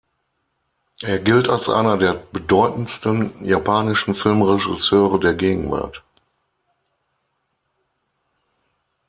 Er gilt als einer der bedeutendsten japanischen Filmregisseure der Gegenwart.